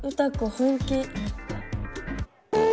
本気。